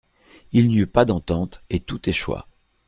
Il n'y eut pas d'entente, et tout échoua.